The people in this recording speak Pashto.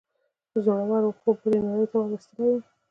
زوره ور خوب بلې نړۍ ته وروستلی وم.